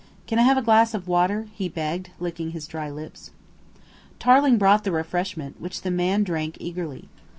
"Can I have a glass of water?" he begged, licking his dry lips. Tarling brought the refreshment, which the man drank eagerly.